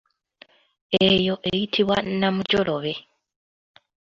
Eyo eyitibwa namujolobe.